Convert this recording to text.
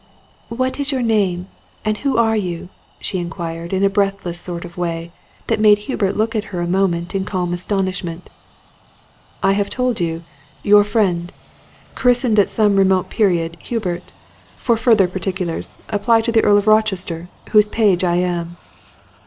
"What is your name, and who are you?" she inquired, in a breathless sort of way, that made Hubert look at her a moment in calm astonishment. "I have told you your friend; christened at some remote period, Hubert. For further particulars, apply to the Earl of Rochester, whose page I am."